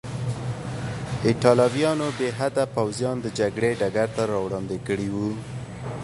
ایټالویانو بې حده پوځیان د جګړې ډګر ته راوړاندې کړي وو.